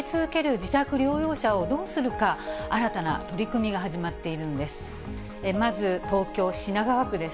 自宅療養者をどうするか、新たな取り組みが始まっているんです。